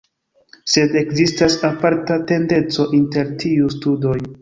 Sed ekzistas aparta tendenco inter tiuj studoj.